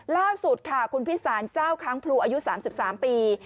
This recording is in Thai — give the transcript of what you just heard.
ล่าสุดค่ะคุณพิสารเจ้าค้างพลูอายุ๓๓ปี